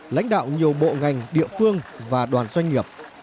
lãnh đạo nhiều bộ ngành địa phương và đoàn doanh nghiệp